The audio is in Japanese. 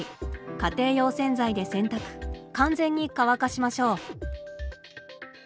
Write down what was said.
家庭用洗剤で洗濯完全に乾かしましょう。